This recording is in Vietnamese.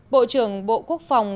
bộ trưởng bộ quốc phòng